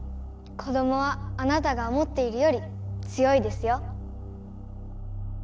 子どもはあなたが思っているより強いですよ。